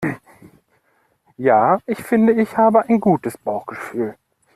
Ja, ich finde ich habe ein gutes Bauchgefühl.